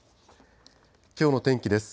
きょうの天気です。